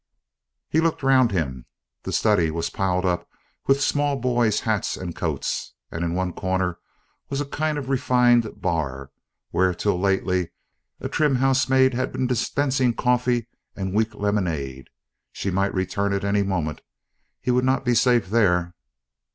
He looked round him: the study was piled up with small boys' hats and coats, and in one corner was a kind of refined bar, where till lately a trim housemaid had been dispensing coffee and weak lemonade; she might return at any moment, he would not be safe there.